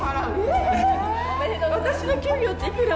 私の給料っていくら？